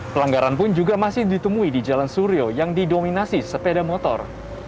pelanggaran pun juga masih ditemui di jalan suryo yang didominasi sepeda motor